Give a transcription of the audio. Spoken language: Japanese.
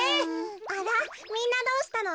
あらみんなどうしたの？